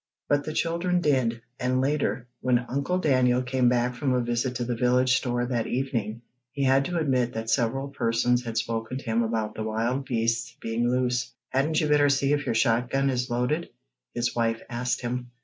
But the children did, and later, when Uncle Daniel came back from a visit to the village store that evening, he had to admit that several persons had spoken to him about the wild beasts being loose. "Hadn't you better see if your shot gun is loaded?" his wife asked him.